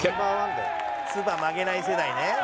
つば曲げない世代ね。